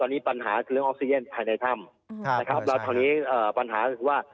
ตอนนี้ปัญหาคือเรื่องอัพเซียนภายในถ้ำแล้วตอนนี้ปัญหาคือว่า